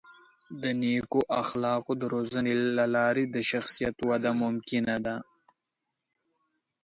د نیکو اخلاقو د روزنې له لارې د شخصیت وده ممکنه ده.